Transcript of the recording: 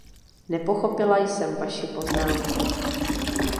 Nepochopila jsem vaši poznámku.